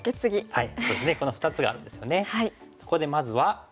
はい。